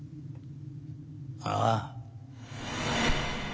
ああ。